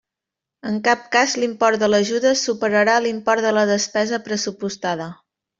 En cap cas l'import de l'ajuda superarà l'import de la despesa pressupostada.